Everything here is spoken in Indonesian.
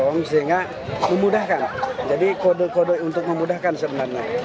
jemaah calon haji di masing masing karung sehingga memudahkan jadi kode kode untuk memudahkan sebenarnya